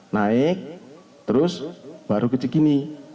naik terus baru ke jikini